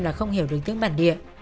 là không hiểu được tiếng bản địa